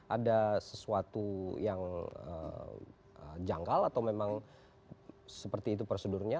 ada sesuatu yang janggal atau memang seperti itu prosedurnya